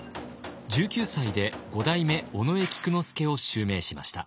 １９歳で五代目尾上菊之助を襲名しました。